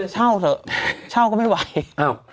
เช่าเถอะเช่าก็ไม่ไหวอ้าว